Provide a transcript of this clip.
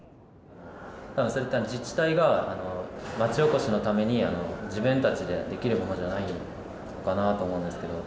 多分そういった自治体が町おこしのために自分たちでできるものじゃないのかなと思うんですけど。